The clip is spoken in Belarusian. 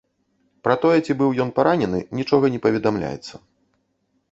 Пра тое, ці быў ён паранены, нічога не паведамляецца.